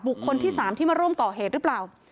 คนที่๓ที่มาร่วมก่อเหตุหรือเปล่า